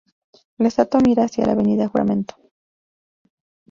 La estatua mira hacia la Avenida Juramento.